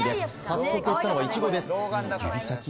早速行ったのはイチゴです。